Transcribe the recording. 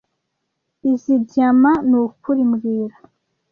Izoi diamant nukuri mbwira